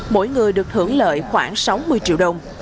mỗi người được hưởng lợi khoảng sáu mươi triệu đồng